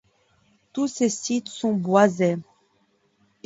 Tous ces sites sont boisés.